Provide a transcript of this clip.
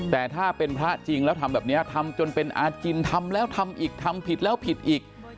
แต่ถ้าเป็นพระจริงแล้วทำแบบนี้ทำจนเป็นอาจินทำแล้วทำอีกทำผิดแล้วผิดอีก